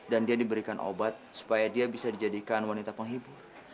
dan dia diberikan obat supaya dia bisa dijadikan wanita penghibur